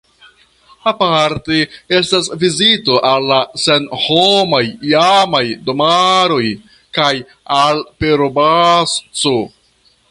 Aparte estas vizito al la senhomaj iamaj domaroj kaj al Peroblasco.